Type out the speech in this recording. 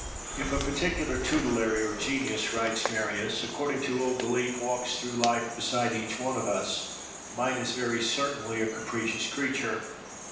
"If a particular tutelary or genius," writes Marius,—"according to old belief, walks through life beside each one of us, mine is very certainly a capricious creature.